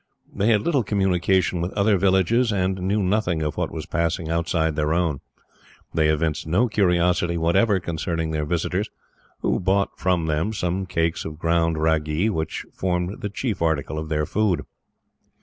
They had little communication with other villages, and knew nothing of what was passing outside their own. They evinced no curiosity whatever concerning their visitors, who bought from them some cakes of ground ragee, which formed the chief article of their food.